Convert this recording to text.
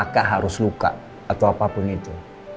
kalo kakak harus luka atau apa pun itu